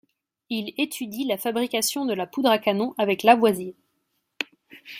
Il étudie la fabrication de la poudre à canon avec Lavoisier.